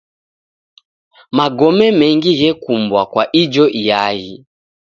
Magome mengi ghekumbwa kwa ijo iaghi.